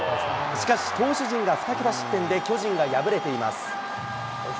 しかし投手陣が２桁失点で巨人が敗れています。